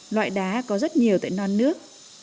loại đá có rất nhiều tại non nước